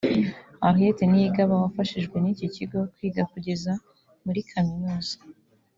Henriette Niyigaba wafashijwe n’iki kigo kwiga kugeza muri kaminuza